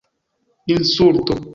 insulto